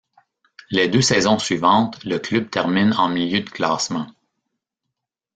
Les deux saisons suivantes, le club termine en milieu de classement.